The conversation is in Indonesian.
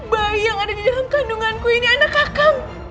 bayi yang ada di dalam kandunganku ini anak kakamu